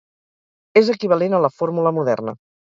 És equivalent a la fórmula moderna.